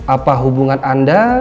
apa hubungan anda